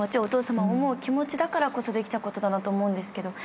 お父さまを思う気持ちだからこそできたことだなと思うんです。